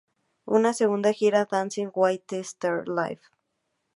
Una segunda gira, "Dancing with the Stars Live!